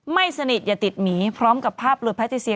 ไม่สนิทอย่าติดหมีพร้อมกับภาพลุยแพทติเซีย